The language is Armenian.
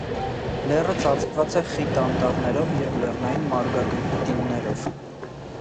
Լեռը ծածկված է խիտ անտառներով և լեռնային մարգագետիններով։